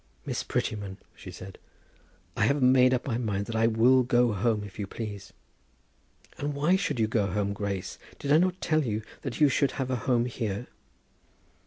"Miss Prettyman," she said, "I have made up my mind that I will go home, if you please." "And why should you go home, Grace? Did I not tell you that you should have a home here?"